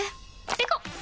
ペコ！